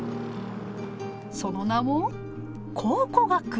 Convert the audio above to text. その名も「考古学」